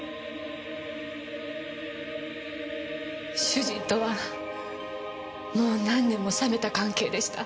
主人とはもう何年も冷めた関係でした。